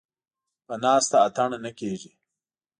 ـ په ناسته اتڼ نه کېږي.